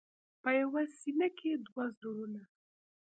په یوه سینه کې دوه زړونه.